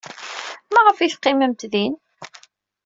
Maɣef ay teqqimemt din?